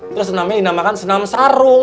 terus dinamakan senam sarung